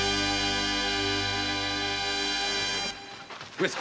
上様！